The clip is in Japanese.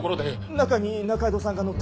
中に仲井戸さんが乗ってて。